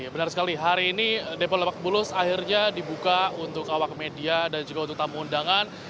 benar sekali hari ini depo lebak bulus akhirnya dibuka untuk awak media dan juga untuk tamu undangan